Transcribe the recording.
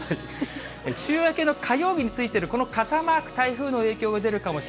週明けの火曜日についてるこの傘マーク、台風の影響が出るかもし